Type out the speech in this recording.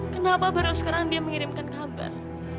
kenapa baru sekarang dia mengirimkan kabar